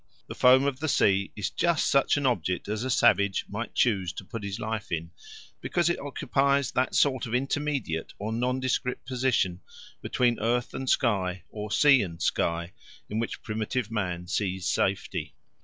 The foam of the sea is just such an object as a savage might choose to put his life in, because it occupies that sort of intermediate or nondescript position between earth and sky or sea and sky in which primitive man sees safety.